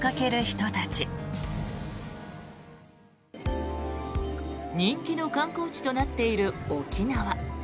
人気の観光地となっている沖縄。